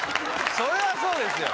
それはそうですよ